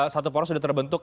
satu poros sudah terbentuk